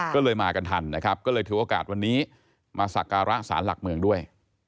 ก็เลยมากันทันนะครับก็เลยถือโอกาสวันนี้มาสักการะสารหลักเมืองด้วย